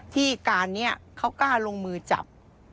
ที่การนี้เขากล้าลงมือจับ